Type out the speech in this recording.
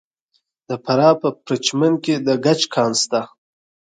د فراه په پرچمن کې د ګچ کان شته.